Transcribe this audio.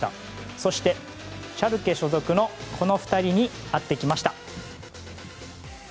そして、シャルケ所属のこの２人に会ってきました。